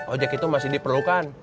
ojek itu masih diperlukan